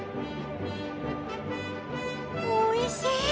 おいしい！